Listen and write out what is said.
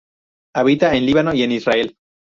Habita en Líbano y en Israel.